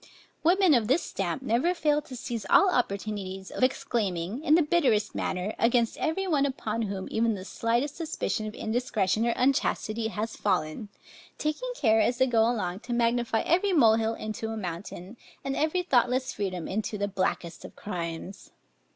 Women of this stamp never fail to seize all opportunities of exclaiming, in the bitterest manner, against every one upon whom even the slightest suspicion of indiscretion or unchastity has fallen; taking care, as they go along, to magnify every mole hill into a mountain, and every thoughtless freedom into the blackest of crimes.